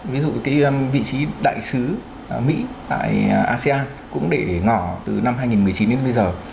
ví dụ cái vị trí đại sứ mỹ tại asean cũng để ngỏ từ năm hai nghìn một mươi chín đến bây giờ